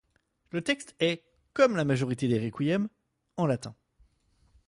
Le texte est, comme pour la majorité des Requiem, en latin.